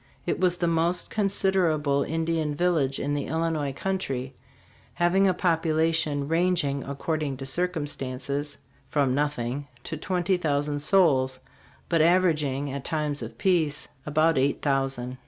It was the most considerable Indian village in the Illi nois country, having a population ranging, according to circumstances, from nothing to twenty thousand souls, but averaging, at times of peace, about eight thousand.